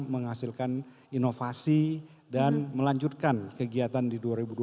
menghasilkan inovasi dan melanjutkan kegiatan di dua ribu dua puluh